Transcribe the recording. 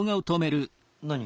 何？